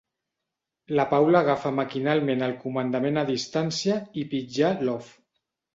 La Paula agafa maquinalment el comandament a distància i pitjà l'off.